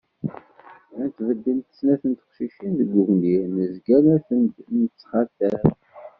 Llant beddent snat n teqcicin deg ugnir, nezga la tent-nettxatal